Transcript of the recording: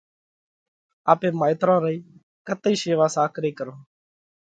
آپي مائيترون رئي ڪتئِي شيوا ساڪرئِي ڪرونه؟